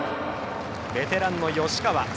ベテランの吉川。